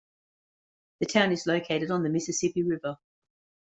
The town is located on the Mississippi River.